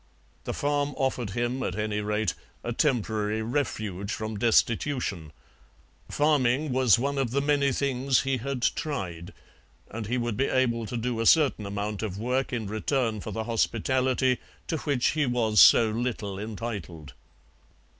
The farm offered him, at any rate, a temporary refuge from destitution; farming was one of the many things he had "tried," and he would be able to do a certain amount of work in return for the hospitality to which he was so little entitled.